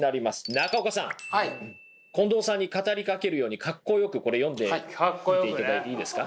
中岡さん近藤さんに語りかけるように格好よく読んでいただいていいですか。